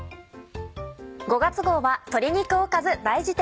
５月号は鶏肉おかず大辞典。